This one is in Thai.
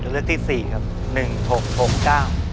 เลือกที่๔ครับ